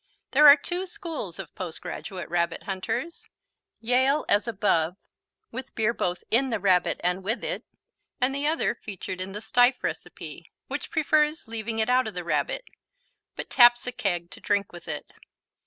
There are two schools of postgraduate Rabbit hunters: Yale, as above, with beer both in the Rabbit and with it; and the other featured in the Stieff Recipe, which prefers leaving it out of the Rabbit, but taps a keg to drink with it.